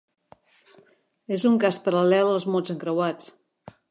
És un cas paral·lel als mots encreuats.